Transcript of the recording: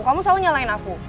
kamu selalu nyalahin aku